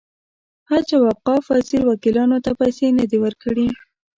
حج او اوقاف وزیر وکیلانو ته پیسې نه دي ورکړې.